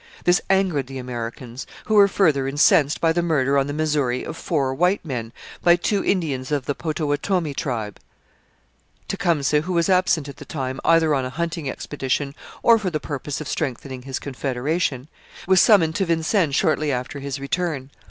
This angered the Americans, who were further incensed by the murder on the Missouri of four white men by two Indians of the Potawatomi tribe. Tecumseh, who was absent at the time either on a hunting expedition or for the purpose of strengthening his confederation, was summoned to Vincennes shortly after his return.